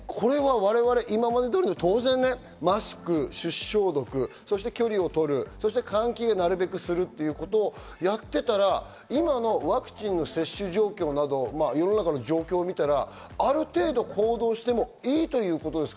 当然、マスク、手指消毒、距離を取る、換気をなるべくするということをやっていたら今のワクチンの接種状況など世の中の状況を見たらある程度、行動してもいいということですか？